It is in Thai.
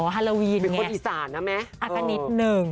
อ๋อฮาโลวีนไงเป็นคนอิสานนะแม่อักษณิชย์หนึ่ง